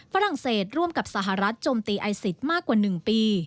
ฝรั่งเศสร่วมกับสหรัฐโจมตีไอซิสมากกว่า๑ปี